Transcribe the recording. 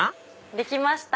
できました。